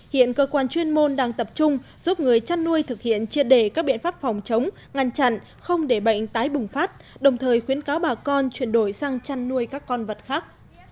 hiện cơ quan chuyên môn đang tập trung giúp người chăn nuôi thực hiện triệt đề các biện pháp phòng chống ngăn chặn không để bệnh tái bùng phát đồng thời khuyến cáo bà con chuyển đổi sang chăn nuôi các con vật khác